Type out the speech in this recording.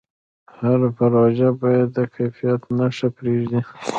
هر پروژه باید د کیفیت نښه پرېږدي.